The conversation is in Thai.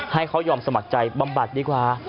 ให้เขายอมสมัครใจบำบัดดีกว่า